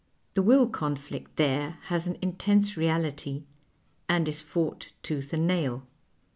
The will conflict there has an intense reality and is fought tooth and nail.